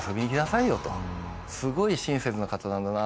すごい親切な方なんだな。